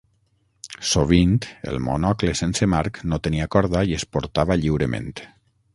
Sovint, el monocle sense marc no tenia corda i es portava lliurement.